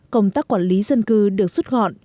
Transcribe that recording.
công tác quản lý dân cư được rút gọn